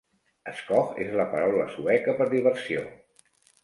"Skoj" és la paraula sueca per diversió.